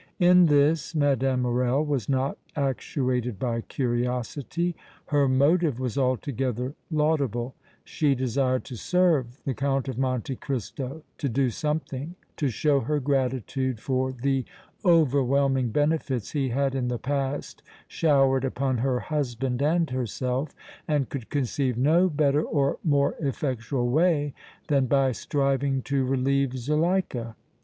In this Mme. Morrel was not actuated by curiosity. Her motive was altogether laudable; she desired to serve the Count of Monte Cristo, to do something to show her gratitude for the overwhelming benefits he had in the past showered upon her husband and herself, and could conceive no better or more effectual way than by striving to relieve Zuleika.